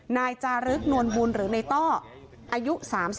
นายจารึกนวลบุญหรือในต้ออายุ๓๒